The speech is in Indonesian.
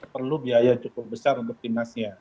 perlu biaya cukup besar untuk timnas ya